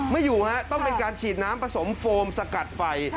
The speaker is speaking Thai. อยู่ฮะต้องเป็นการฉีดน้ำผสมโฟมสกัดไฟ